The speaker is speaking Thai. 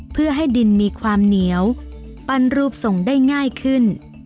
เพื่อให้ดินมีความเหนียวปั้นรูปทรงได้ง่ายขึ้น